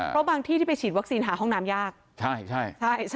เพราะบางที่ที่ไปฉีดวัคซีนหาห้องน้ำยากใช่ใช่